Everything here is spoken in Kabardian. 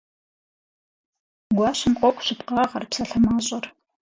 Гуащэм къокӀу щыпкъагъэр, псалъэ мащӀэр.